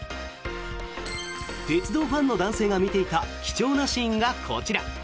鉄道ファンの男性が見ていた貴重なシーンがこちら。